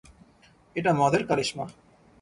এটা মদের কারিশমা।